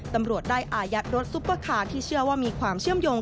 ตำรวจได้อายัดรถซุปเปอร์คาร์ที่เชื่อว่ามีความเชื่อมโยง